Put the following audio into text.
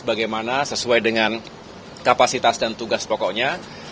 bagaimana sesuai dengan kapasitas dan tugas pokoknya